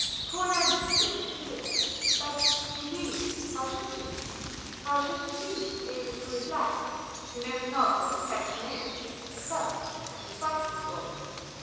Poor Nancy don't consider that. But, indeed, how should she? How should she be able to reflect, who knows not what reflection is, except of the spiteful sort?